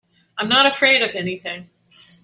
I'm not afraid of anything.